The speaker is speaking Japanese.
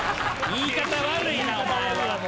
言い方悪いなお前は。